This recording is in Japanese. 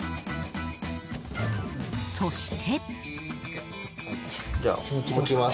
そして。